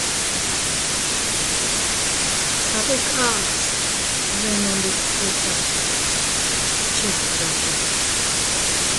Sadikas dbenondikusa chiktasa.